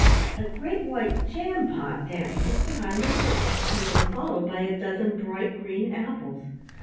A great white Jam Pot danced just behind the Cook, and was followed by a dozen bright Green Apples.